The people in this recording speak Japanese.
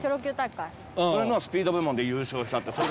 それのスピード部門で優勝したって。